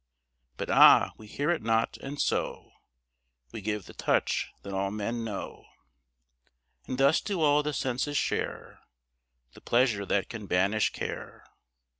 But ah, we hear it not, and so We give the touch that all men know. And thus do all the senses share The pleasure that can banish care.